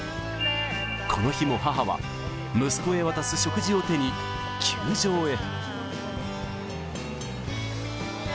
この日も母は息子へ渡す食事を手に球場へ。